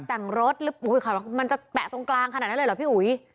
แต่งรถหรือมันจะแปะตรงกลางขนาดนั้นเลยเหรอพี่อุ๋ย